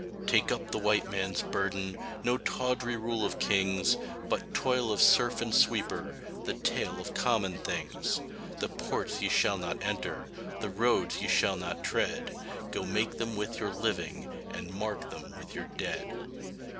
Take up the White Man's burden No tawdry rule of kings, But toil of serf and sweeper The tale of common things. The ports ye shall not enter, The roads ye shall not tread, Go make them with your living, And mark them with your dead.